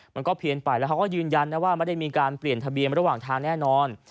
มันก็เพี้ยนไปแล้วเขาก็ยืนยันนะว่าไม่ได้มีการเปลี่ยนทะเบียนระหว่างทางแน่นอน